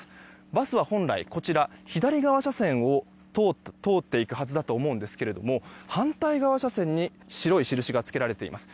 バスは本来、左側車線を通っていくはずですが反対側車線に白い印がつけられています。